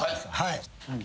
はい。